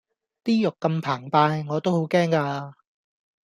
啲肉咁澎湃我都好驚㗎